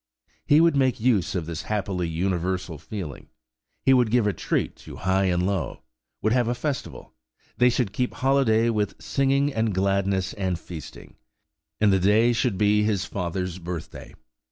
He would make use of this happily universal feeling; he would give a treat to high and low–would have a festival; they should keep holiday with singing and gladness and feasting; and the day should be his father's birthday.